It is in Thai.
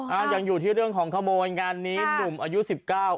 ยังอยู่ที่เรื่องของขโมยงานนี้หนุ่มอายุสิบเก้า